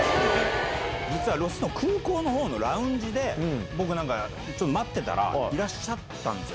実はロスの空港のほうのラウンジで、僕、なんかちょっと待ってたら、いらっしゃったんですよ。